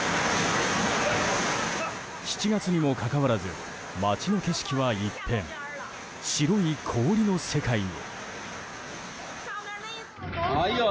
７月にもかかわらず街の景色は一変白い氷の世界に。